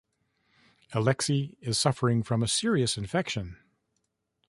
Alexi is suffering from a serious infection.